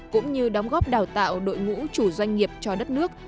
cũng như đóng góp đào tạo đội ngũ chủ doanh nghiệp cho đất nước